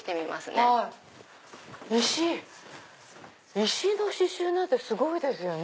石の刺繍なんてすごいですよね。